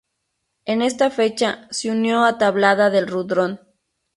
En esta fecha se unió a Tablada del Rudrón.